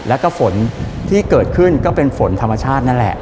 แล้วก็ฝนที่เกิดขึ้นก็เป็นฝนธรรมชาตินั่นแหละ